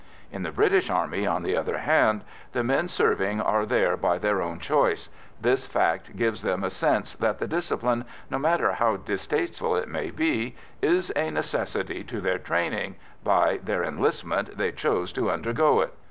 In the British Army, on the other hand, the men serving are there by their own choice; this fact gives them a sense that the discipline, no matter how distasteful it may be, is a necessity to their training by their enlistment they chose to undergo it.